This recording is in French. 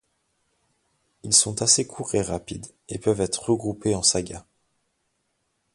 Ils sont assez courts et rapides et peuvent être regroupés en sagas.